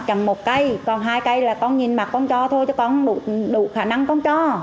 cầm một cây còn hai cây là con nhìn mặt con cho thôi chứ con đủ khả năng con chó